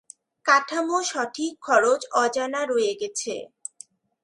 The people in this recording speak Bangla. কাঠামো সঠিক খরচ অজানা রয়ে গেছে।